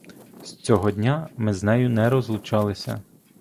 З цього дня ми з нею не розлучалися.